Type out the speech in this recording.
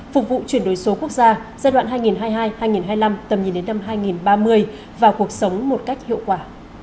phục vụ chuyển đổi số quốc gia giai đoạn hai nghìn hai mươi hai hai nghìn hai mươi năm tầm nhìn đến năm hai nghìn ba mươi và cuộc sống một cách hiệu quả